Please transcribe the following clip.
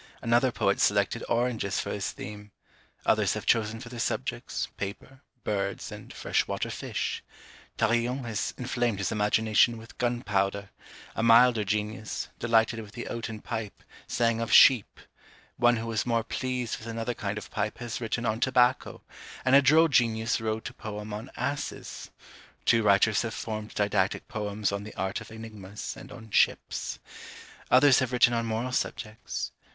Another poet selected Oranges for his theme; others have chosen for their subjects, Paper, Birds, and fresh water Fish. Tarillon has inflamed his imagination with gunpowder; a milder genius, delighted with the oaten pipe, sang of Sheep; one who was more pleased with another kind of pipe, has written on Tobacco; and a droll genius wrote a poem on Asses. Two writers have formed didactic poems on the Art of Enigmas, and on Ships. Others have written on moral subjects.